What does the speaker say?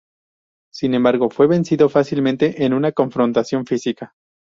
Sin embargo, fue vencido fácilmente en una confrontación física.